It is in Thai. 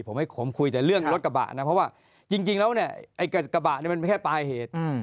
ผมให้ผมคุยแต่เรื่องรถกระบะนะเพราะว่าจริงแล้วเนี่ยไอ้กระบะนี่มันไม่ใช่ปลายเหตุ